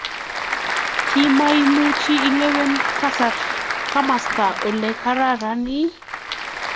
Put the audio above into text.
Komaimuch ilewen komasta ole kararan ii?